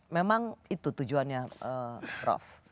memang itu tujuannya prof